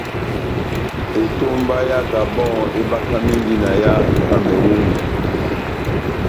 Etomba yá Gabon ebakamindi na yá Kameruni.